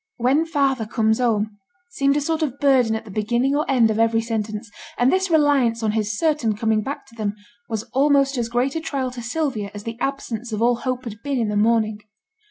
'When father comes home,' seemed a sort of burden at the beginning or end of every sentence, and this reliance on his certain coming back to them was almost as great a trial to Sylvia as the absence of all hope had been in the morning.